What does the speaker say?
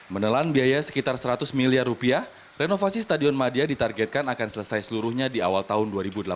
menelan biaya sekitar seratus miliar rupiah renovasi stadion madia ditargetkan akan selesai seluruhnya di awal tahun dua ribu delapan belas